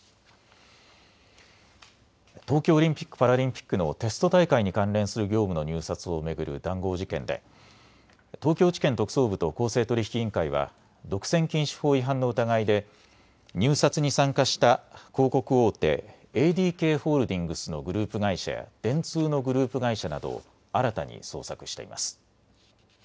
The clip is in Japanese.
東京オリンピック・パラリンピックのテスト大会に関連する業務の入札を巡る談合事件で東京地検特捜部と公正取引委員会は独占禁止法違反の疑いで入札に参加した広告大手、ＡＤＫホールディングスのグループ会社や電通のグループ会社などを新たに捜索しています。